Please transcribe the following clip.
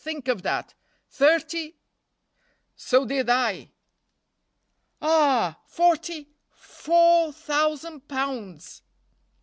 think of that. Thirty " "So did I." "Ah! forty four thousand pounds."